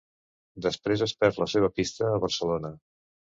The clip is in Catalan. Després es perd la seva pista a Barcelona.